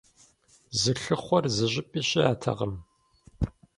Зылъыхъуэр зыщӀыпӀи щыӀэтэкъым.